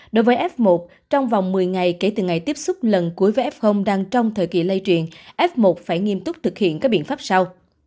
đối với f một trong vòng một mươi ngày kể từ ngày tiếp xúc lần cuối với f đang trong thời kỳ lây truyền f một phải nghiêm túc thực hiện các biện pháp sau